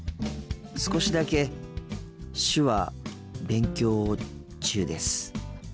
少しだけ手話勉強中です。